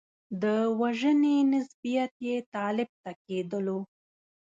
د وژنې نسبیت یې طالب ته کېدلو.